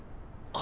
あ。